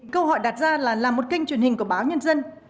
câu hỏi đặt ra là một kênh truyền hình của báo nhân dân